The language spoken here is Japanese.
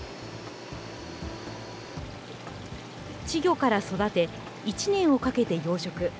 稚魚から育て、１年をかけて養殖。